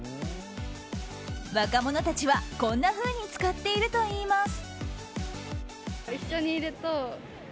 若者たちはこんなふうに使っているといいます。